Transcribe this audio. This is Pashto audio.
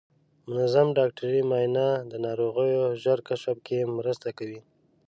منظم ډاکټري معاینه د ناروغیو ژر کشف کې مرسته کوي.